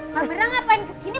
kalau mirna ngapain kesini